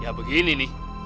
ya begini nih